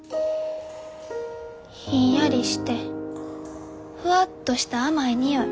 ひんやりしてふわっとした甘い匂い。